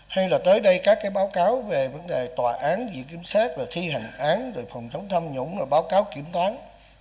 hay là tới đây các cái báo cáo về vấn đề tòa án dự kiến xét thi hành án phòng thống thâm nhũng báo cáo kiểm toán